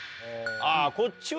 あぁこっちは。